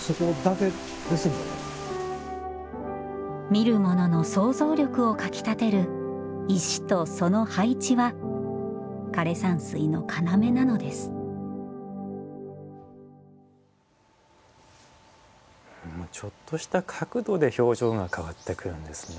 見る者の想像力をかきたてる石とその配置は枯山水の要なのですちょっとした角度で表情が変わってくるんですね。